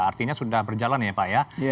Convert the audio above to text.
artinya sudah berjalan ya pak ya